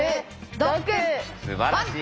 すばらしい。